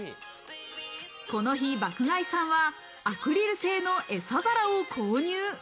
この日、爆買いさんはアクリル製のエサ皿を購入。